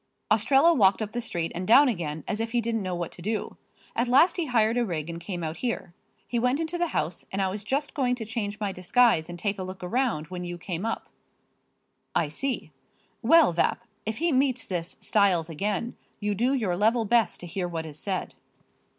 Ostrello walked up the street and down again, as if he didn't know what to do. At last he hired a rig and came out here. He went into the house and I was just going to change my disguise and take a look around when you came up." "I see. Well, Vapp, if he meets this Styles again you do your level best to hear what is said."